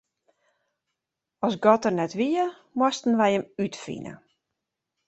As God der net wie, moasten wy Him útfine.